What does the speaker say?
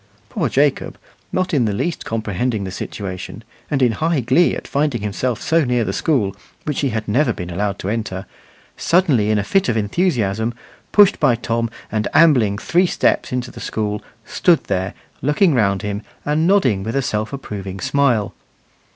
Poor Jacob, not in the least comprehending the situation, and in high glee at finding himself so near the school, which he had never been allowed to enter, suddenly, in a fit of enthusiasm, pushed by Tom, and ambling three steps into the school, stood there, looking round him and nodding with a self approving smile.